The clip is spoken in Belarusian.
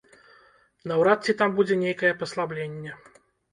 Наўрад ці там будзе нейкае паслабленне.